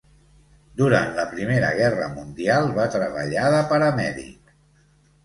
Durant la Primera guerra mundial va treballar de paramèdic.